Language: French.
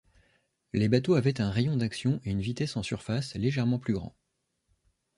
Les bateaux avaient un rayon d'action et une vitesse en surface légèrement plus grand.